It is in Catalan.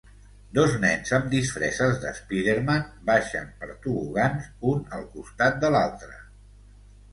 Dos nens amb disfresses de Spiderman baixen per tobogans un al costat de l'altre.